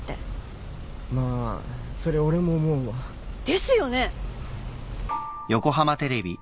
まあそれ俺も思うわ。ですよね？